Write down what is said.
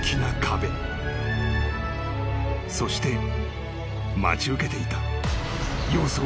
［そして待ち受けていた］